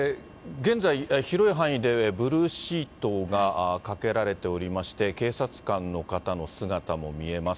現在、広い範囲でブルーシートがかけられておりまして、警察官の方の姿も見えます。